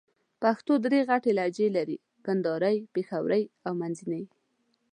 پښتو درې غټ لهجې لرې: کندهارۍ، پېښورۍ او منځني.